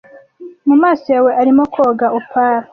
mumaso yawe arimo koga opal